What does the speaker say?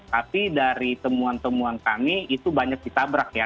tapi dari temuan temuan kami itu banyak ditabrak ya